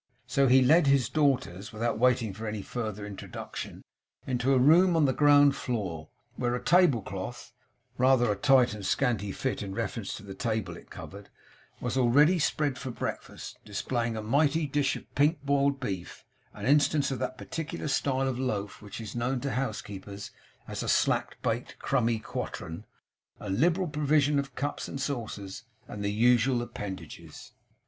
So he led his daughters, without waiting for any further introduction, into a room on the ground floor, where a table cloth (rather a tight and scanty fit in reference to the table it covered) was already spread for breakfast; displaying a mighty dish of pink boiled beef; an instance of that particular style of loaf which is known to housekeepers as a slack baked, crummy quartern; a liberal provision of cups and saucers; and the usual appendages.